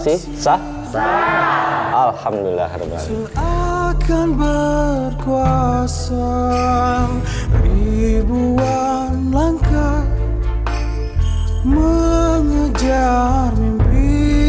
seakan berkuasa ribuan langkah mengejar mimpi